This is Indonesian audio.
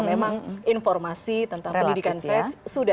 memang informasi tentang pendidikan seks